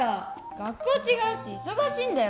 学校違うし忙しいんだよ